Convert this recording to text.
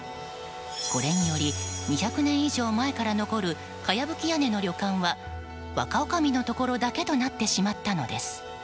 これにより２００年以上前から残るかやぶき屋根の旅館は若おかみのところだけとなってしまったのです。